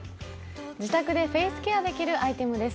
自宅でフェイスケアできるアイテムです。